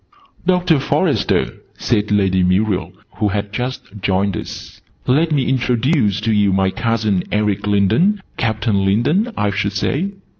"Doctor Forester," said Lady Muriel, who had just joined us, "let me introduce to you my cousin Eric Lindon Captain Lindon, I should say."